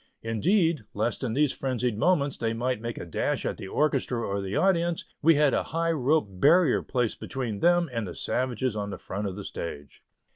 Indeed, lest in these frenzied moments they might make a dash at the orchestra or the audience, we had a high rope barrier placed between them and the savages on the front of the stage.